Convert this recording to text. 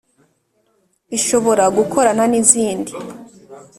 Ishobora gukorana nizindi.